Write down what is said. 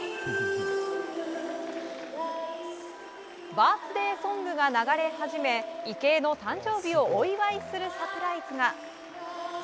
バースデーソングが流れ始め池江の誕生日をお祝いするサプライズが。